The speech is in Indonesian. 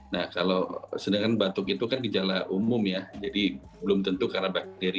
nah kalau sedangkan batuk itu kan gejala umum ya jadi belum tentu karena bakteri